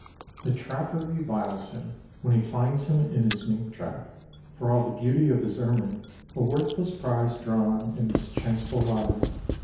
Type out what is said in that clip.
The trapper reviles him when he finds him in his mink trap, for all the beauty of his ermine a worthless prize drawn in this chanceful lottery.